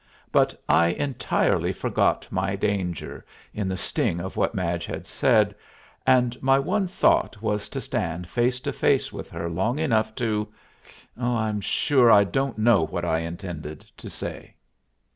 But I entirely forgot my danger, in the sting of what Madge had said, and my one thought was to stand face to face with her long enough to I'm sure I don't know what I intended to say.